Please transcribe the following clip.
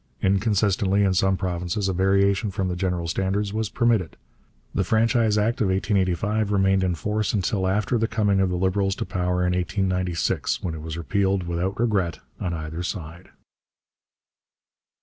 Inconsistently, in some provinces a variation from the general standards was permitted. The Franchise Act of 1885 remained in force until after the coming of the Liberals to power in 1896, when it was repealed without regret on either side.